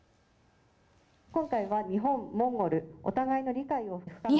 今回は、日本、モンゴルお互いの理解を深め。